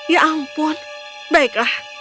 ya ampun baiklah